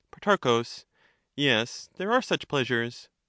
Pro, Yes, there are such pleasures.